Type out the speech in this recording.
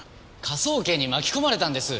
科捜研に巻き込まれたんです！